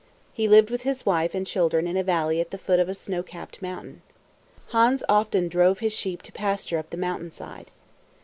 He lived with his wife and children in a valley at the foot of a snow capped mountain. Hans often drove his sheep to pasture up the mountain side.